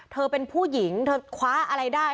เธอเป็นผู้หญิงเธอคว้าอะไรได้